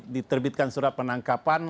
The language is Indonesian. diterbitkan surat penangkapan